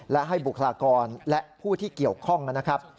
และให้บุคลากรและผู้ที่เกี่ยวข้องนะครับ